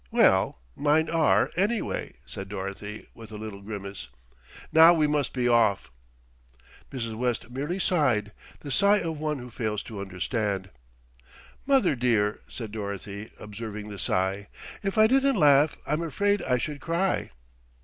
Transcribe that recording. "Well, mine are, anyway," said Dorothy with a little grimace. "Now we must be off." Mrs. West merely sighed, the sigh of one who fails to understand. "Mother dear," said Dorothy, observing the sigh, "if I didn't laugh I'm afraid I should cry."